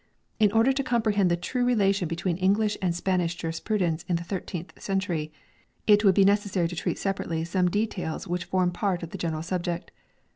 17, 24, 40, 45), in order to comprehend the true relation between English and Spanish juris prudence in the thirteenth century, it would be necessary to treat separately some details which form part of the general subject.